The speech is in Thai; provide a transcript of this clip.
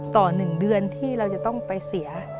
๑เดือนที่เราจะต้องไปเสีย